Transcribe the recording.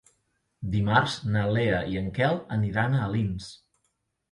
Dimarts na Lea i en Quel aniran a Alins.